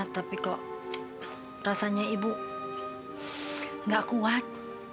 tapi kok rasanya ibu gak kuat